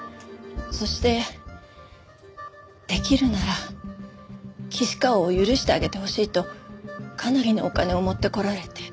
そしてできるなら岸川を許してあげてほしいとかなりのお金を持ってこられて。